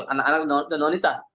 anak anak dan wanita